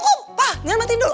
pa jangan matiin dulu